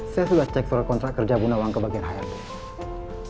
saya sudah cek soal kontrak kerja bunawang ke bagian hrd